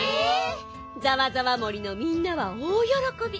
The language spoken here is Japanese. ざわざわ森のみんなはおおよろこび。